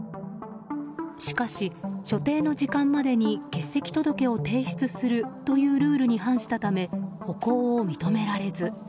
しかし、所定の時間までに欠席届を提出するというルールに反したため補講を認められず。